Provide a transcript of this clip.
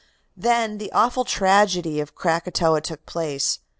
Then the awful tragedy of Krakatoa took place.